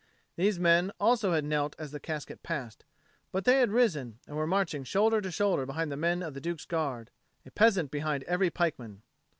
These men also had knelt as the casket passed, but they had risen, and were marching shoulder to shoulder behind the men of the Duke's Guard, a peasant behind every pikeman.